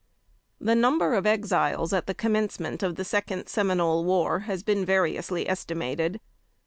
The number of Exiles at the commencement of the Second Seminole War, has been variously estimated.